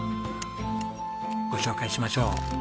ご紹介しましょう。